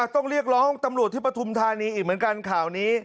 ต้องเรียกร้องตำรวจที่ปฐุมธานีอีกเหมือนกันข่าวนี้